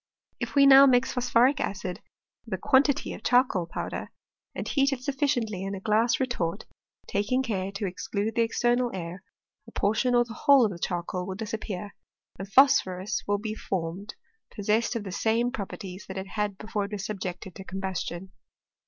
If now we mix phpsphprip acid with a quantity of ch^coal powder, apd fie^t it BufiBctiently in a glass retort, taking care to exclude the external air, a portion or the whole of the ch^rcQ^ ydll disappear, and phosphorus will be form ed pp^s^ssed of the same properties that it h^d before it yras subjected to combustion.